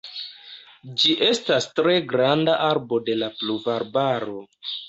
Ĝi estas tre granda arbo de la pluvarbaro.